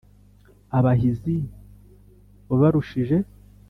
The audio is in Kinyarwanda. abahizi wabarushije.